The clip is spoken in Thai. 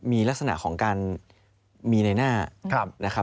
มีลักษณะของการมีในหน้า